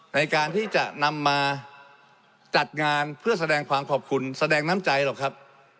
ในการที่จะนำมาจัดงานเพื่อแสดงความขอบคุณแสดงน้ำใจหรอกครับ